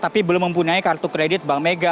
tapi belum mempunyai kartu kredit bank mega